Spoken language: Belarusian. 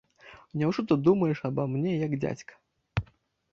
Няўжо ты думаеш аба мне, як дзядзька?